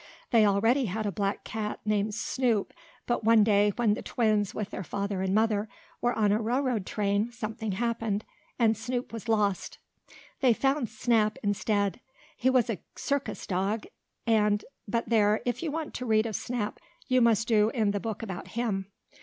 They already had a black cat, named Snoop, but one day, when the twins, with their father and mother, were on a railroad train, something happened, and Snoop was lost. They found Snap, instead. He was a circus dog, and but there, if you want to read of Snap, you must do so in the book about him.